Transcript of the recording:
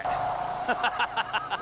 ハハハハ！